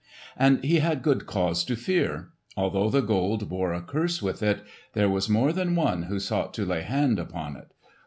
And he had good cause to fear. Although the Gold bore a curse with it, there was more than one who sought to lay hand upon it.